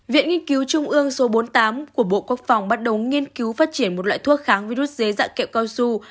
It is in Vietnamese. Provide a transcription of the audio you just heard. viện nghiên cứu trung ương số bốn mươi tám của bộ quốc phòng bắt đầu nghiên cứu phát triển một loại thuốc kháng virus dế dạng kẹo cao su